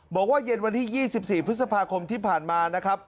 บอกว่าเย็นวันที่๒๔พฤษภาคมที่ผ่านมานะครับ